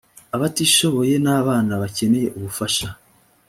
abatishoboye n abana bakeneye ubufasha